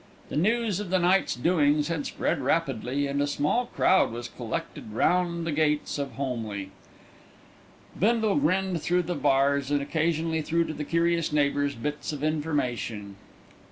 The news of the night's doings had spread rapidly, and a small crowd was collected round the gates of Holmleigh. Bindle grinned through the bars, and occasionally threw to the curious neighbours bits of information.